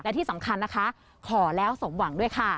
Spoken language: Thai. และที่สำคัญนะคะขอแล้วสมหวังด้วยค่ะ